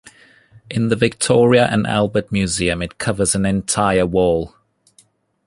In the Victoria and Albert Museum it covers an entire wall.